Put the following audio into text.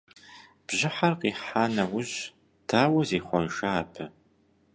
Бжьыхьэр къихьа нэужь, дауэ зихъуэжа абы?